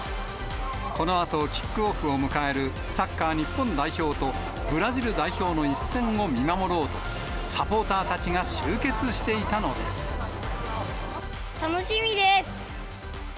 このあとキックオフを迎えるサッカー日本代表と、ブラジル代表の一戦を見守ろうと、サポーターたちが集結していたの楽しみです。